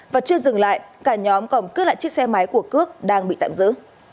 và chưa dừng lại cả nhóm còn cướp lại chiếc xe máy của cước đang bị tạm giữ